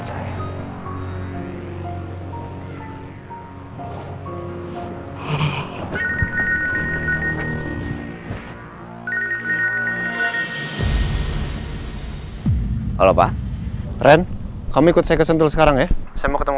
halo pak ren kamu ikut saya kesentul sekarang ya saya mau ketemu